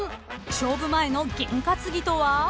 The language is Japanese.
勝負前のゲン担ぎとは？］